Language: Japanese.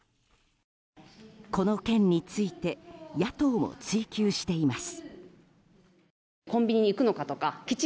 この件について野党も追及しています。